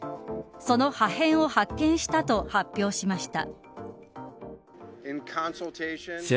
その破片を発見したと発表しました。